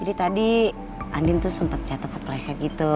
jadi tadi andien tuh sempet jatuh ke kelasnya gitu